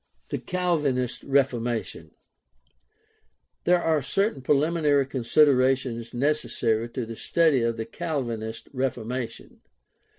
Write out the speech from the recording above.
THE CALVINIST REFORMATION There are certain preliminary considerations necessary to the study of the Calvinist Reformation.